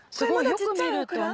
よく見るとね。